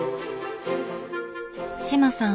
志麻さん